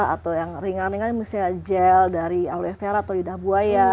atau yang ringan ringan misalnya gel dari aloe vera atau lidah buaya